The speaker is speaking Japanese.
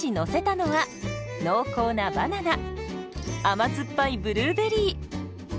甘酸っぱいブルーベリー。